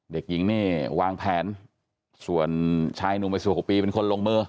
เด็กหญิงนี่วางแผนส่วนชายหนุ่มวัย๑๖ปีเป็นคนลงมือ